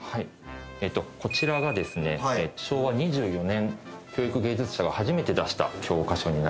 こちらがですね昭和２４年教育芸術社が初めて出した教科書になります。